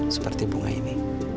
seperti bunga ini